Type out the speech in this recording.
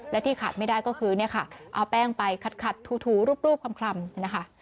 และที่ขาดไม่ได้ก็คือเนี่ยค่ะเอาแป้งไปขัดถูรูปคลำนะคะ